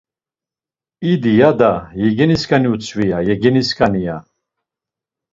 İdi, ya da, yegenisǩani utzvi, ya; yegenisǩani, ya!